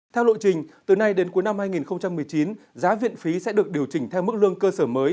theo lộ trình từ nay đến cuối năm hai nghìn một mươi chín giá viện phí sẽ được điều chỉnh theo mức lương cơ sở mới